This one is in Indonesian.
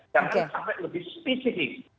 jangan sampai lebih spesifik